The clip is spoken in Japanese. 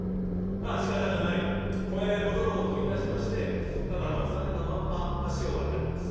まあしかたがない小屋へ戻ろうといたしまして刀を提げたまんま橋を渡ります。